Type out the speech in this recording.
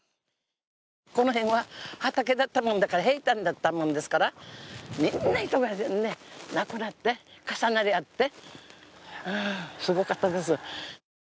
この辺は畑だったものだから、平たんだったものですからみんな人が亡くなって重なり合って、すごかったです。